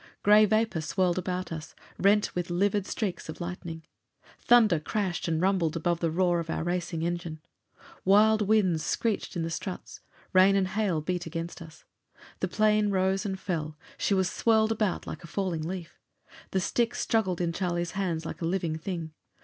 Gray vapor swirled about us, rent with livid streaks of lightning. Thunder crashed and rumbled above the roar of our racing engine. Wild winds screeched in the struts; rain and hail beat against us. The plane rose and fell; she was swirled about like a falling leaf. The stick struggled in Charlie's hands like a living thing.